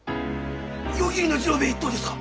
夜霧ノ治郎兵衛一党ですか？